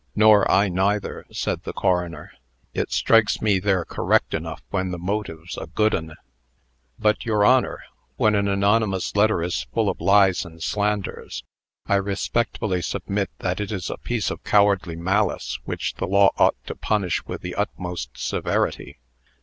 "Nor I neither," said the coroner. "It strikes me they're correct enough when the motive's a good 'un." "But, your Honor, when an anonymous letter is full of lies and slanders, I respectfully submit that it is a piece of cowardly malice, which the law ought to punish with the utmost severity."